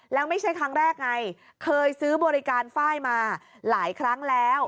แล้วไม่ใช่ครั้งแรกไงเคยซื้อบริการไฟล์มาหลายครั้งแล้ว